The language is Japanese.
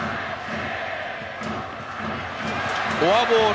フォアボール。